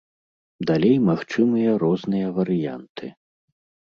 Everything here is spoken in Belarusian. Далей магчымыя розныя варыянты.